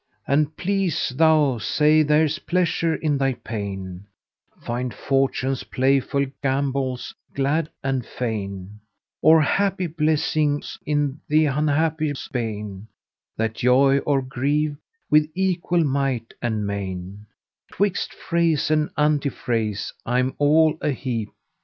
An please thou, say there's pleasure in thy pain, * Find Fortune's playful gambols glad and fain: Or happy blessings in th' unhappy's bane, * That joy or grieve, with equal might and main: Twixt phrase and antiphrase I'm all a heap!